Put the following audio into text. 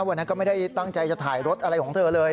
วันนั้นก็ไม่ได้ตั้งใจจะถ่ายรถอะไรของเธอเลย